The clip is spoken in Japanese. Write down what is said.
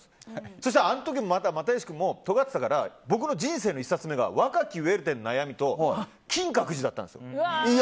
そしたらあの時、又吉君もとがってたから僕の人生の１冊目が「若きウェルデンの悩み」と「金閣寺」だったんですよ。